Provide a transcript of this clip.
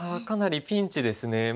かなりピンチですね。